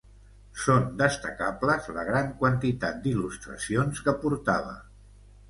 Són destacables la gran quantitat d'il·lustracions que portava.